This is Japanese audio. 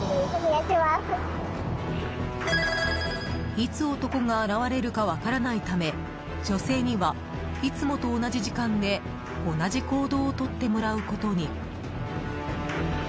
いつ男が現れるか分からないため女性には、いつもと同じ時間で同じ行動をとってもらうことに。